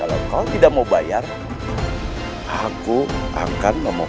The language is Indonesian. kalau kau tidak mau bayar aku akan memukul